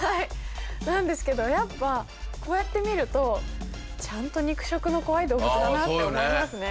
なんですけどやっぱこうやって見るとちゃんと肉食の怖い動物だなって思いますね。